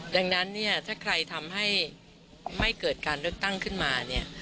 ดังนั้นแต่ใครทำให้ไม่เกิดการเลือกตังค์ขึ้นมา